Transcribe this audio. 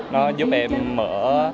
nó giúp em mở